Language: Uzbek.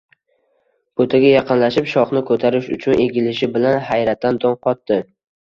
Butaga yaqinlashib, shoxni ko'tarish uchun egilishi bilan hayratdan dong qotdi.